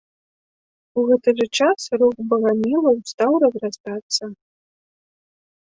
У гэты жа час рух багамілаў стаў разрастацца.